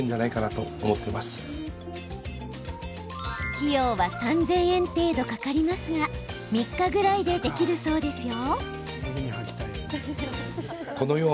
費用は３０００円程度かかりますが３日ぐらいでできるそうですよ。